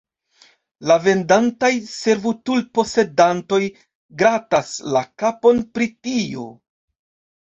La vendantaj servutul-posedantoj gratas la kapon pri tio.